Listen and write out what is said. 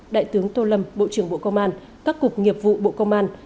đại tướng tô lâm bộ trưởng bộ công an các cục nghiệp vụ bộ công an